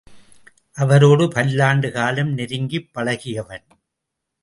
அவரோடு பல்லாண்டு காலம் நெருங்கிப் பழகியவன்.